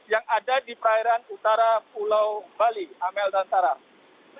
yang ada di perairan utara pulau bali amel dan sarah